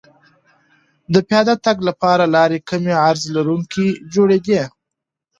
د پیاده تګ لپاره لارې کم عرض لرونکې جوړېدې